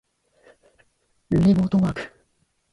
リモートワーク